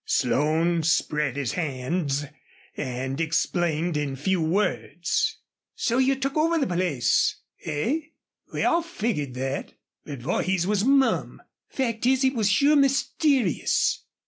Slone spread his hands and explained in few words. "So you took over the place, hey? We all figgered thet. But Vorhees was mum. Fact is, he was sure mysterious."